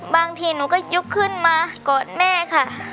บางทีหนูก็ยกขึ้นมากอดแม่ค่ะ